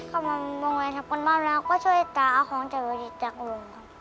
กลับมาโรงเรียนทำการบ้านแล้วก็ช่วยตาเอาของจักรวดจิตจักรวงครับ